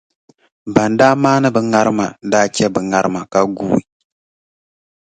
Ban daa maani bɛ ŋarima daa che bɛ ŋarima ka guui.